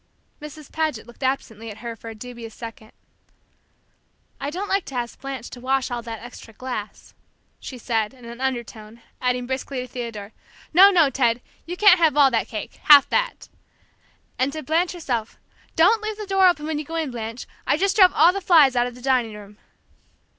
Mrs. Paget looked absently at her for a dubious second. "I don't like to ask Blanche to wash all that extra glass," she said, in an undertone, adding briskly to Theodore, "No, no, Ted! You can't have all that cake. Half that!" and to Blanche herself, "Don't leave the door open when you go in, Blanche; I just drove all the flies out of the dining room."